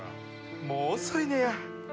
もう遅いねや。